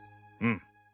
うん。